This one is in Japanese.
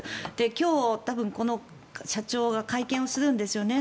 今日、この社長が会見をするんですよね。